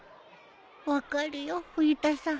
分かるよ冬田さん。